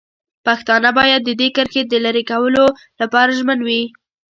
پښتانه باید د دې کرښې د لرې کولو لپاره ژمن وي.